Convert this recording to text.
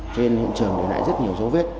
trên hiện trường để lại rất nhiều dấu vết